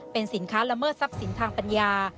เป็นสินค้าละเมิดทรัพย์สินทางปัญญา